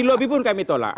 di lobi pun kami tolak